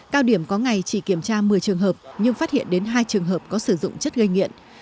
cao điểm có ngày chỉ kiểm tra một mươi trường hợp nhưng phát hiện đến hai trường hợp có sử dụng chất gây nghiện